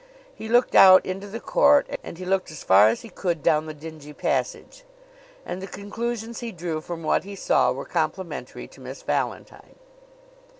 He looked out into the court and he looked as far as he could down the dingy passage; and the conclusions he drew from what he saw were complimentary to Miss Valentine.